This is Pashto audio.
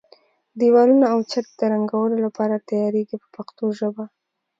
دېوالونه او چت د رنګولو لپاره تیاریږي په پښتو ژبه.